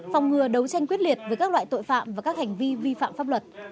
phòng ngừa đấu tranh quyết liệt với các loại tội phạm và các hành vi vi phạm pháp luật